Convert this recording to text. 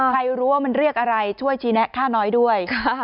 ใครรู้ว่ามันเรียกอะไรช่วยชี้แนะค่าน้อยด้วย